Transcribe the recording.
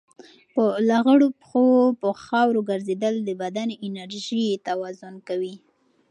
د پښو په لغړو په خاورو ګرځېدل د بدن انرژي توازن کوي.